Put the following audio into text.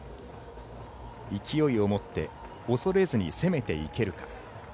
勢いを持って恐れずに攻めていけるか。